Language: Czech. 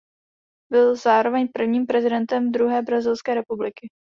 Byl zároveň prvním prezidentem druhé brazilské republiky.